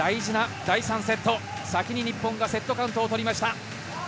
先に日本がセットカウントを取りました。